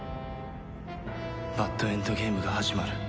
バッドエンドゲームが始まる。